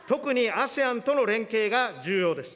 特にＡＳＥＡＮとの連携が重要です。